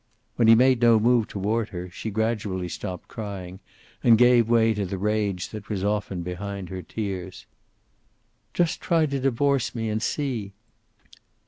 When he made no move toward her she gradually stopped crying, and gave way to the rage that was often behind her tears. "Just try to divorce me, and see!"